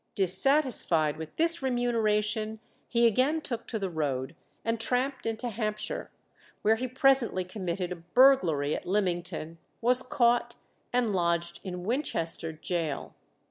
Dissatisfied with this remuneration, he again took to the road, and tramped into Hampshire, where he presently committed a burglary at Lymington, was caught, and lodged in Winchester Gaol.